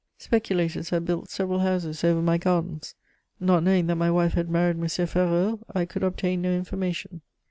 Speculators had built several houses over my gardens. Not knowing that my wife had married M. Ferraud, I could obtain no information.